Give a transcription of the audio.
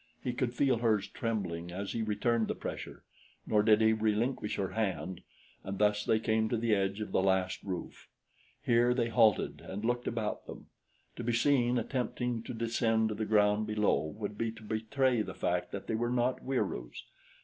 He could feel hers trembling as he returned the pressure, nor did he relinquish her hand; and thus they came to the edge of the last roof. Here they halted and looked about them. To be seen attempting to descend to the ground below would be to betray the fact that they were not Wieroos.